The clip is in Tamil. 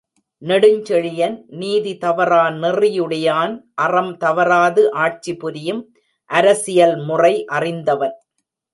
நெடுஞ்செழியன் நீதி தவறா நெறியுடையான் அறம் தவறாவாறு ஆட்சிபுரியும் அரசியல் முறை அறிந்தவன்.